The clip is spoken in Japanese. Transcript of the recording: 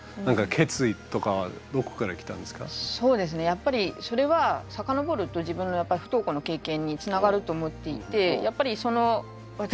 やっぱりそれは遡ると自分のやっぱり不登校の経験につながると思っていてやっぱりその私